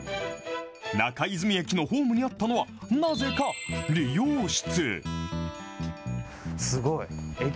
中泉駅のホームにあったのは、なぜか理容室。